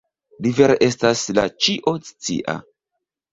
Li vere estas la Ĉio-Scia.